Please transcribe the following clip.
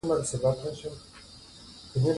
ډیجیټل بانکوالي د خصوصي سکتور د ودې لامل ګرځي.